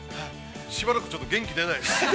しばらく、ちょっと元気出ないです。